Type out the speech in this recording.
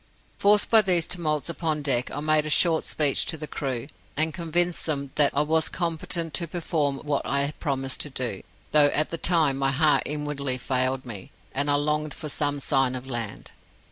"Forced by these tumults upon deck, I made a short speech to the crew, and convinced them that I was competent to perform what I had promised to do, though at the time my heart inwardly failed me, and I longed for some sign of land.